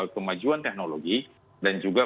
kemajuan teknologi dan juga